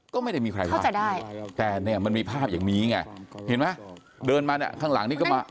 ก็ไม่ได้มีใครบอกเขาจะได้แต่เนี่ยมันมีภาพอย่างนี้ไงเห็นไหมเดินมาเนี่ยข้างหลังนี่ก็มา